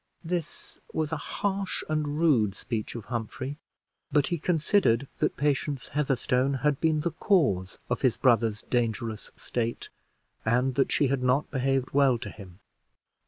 This was a harsh and rude speech of Humphrey; but he considered that Patience Heatherstone had been the cause of his brother's dangerous state, and that she had not behaved well to him.